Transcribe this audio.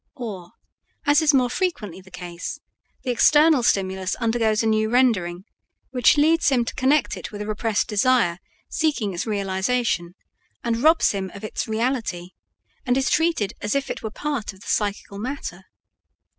Or, as is more frequently the case, the external stimulus undergoes a new rendering, which leads him to connect it with a repressed desire seeking its realization, and robs him of its reality, and is treated as if it were a part of the psychical matter.